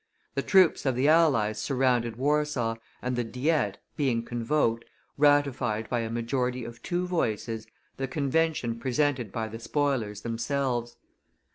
The troops of the allies surrounded Warsaw, and the Diet, being convoked, ratified by a majority of two voices the convention presented by the spoilers themselves.